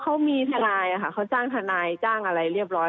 เขามีทนายค่ะเขาจ้างทนายจ้างอะไรเรียบร้อย